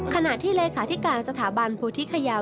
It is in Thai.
ขณะที่หลักการฐิกาสถาบันพูทิคยา